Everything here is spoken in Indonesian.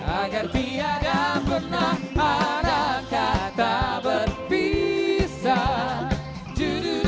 agar tiada pernah kata berpisah